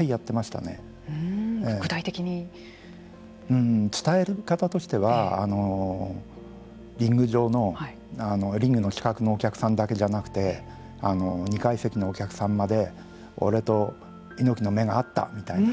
うん伝え方としてはあのリング上のリングの死角のお客さんだけじゃなくてあの２階席のお客さんまで俺と猪木の目が合ったみたいな。